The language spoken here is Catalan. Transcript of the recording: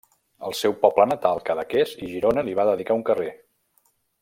El seu poble natal Cadaqués i Girona li va dedicar un carrer.